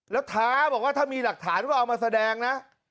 แล้วท้าบอกว่าถ้ามีหลักฐานว่าเอามาแสดงนะ